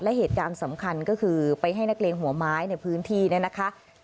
และเหตุการณ์สำคัญก็คือไปให้นักเลงหัวไม้ในพื้นที่เนี่ยนะคะ